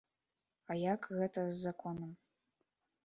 А як гэта з законам?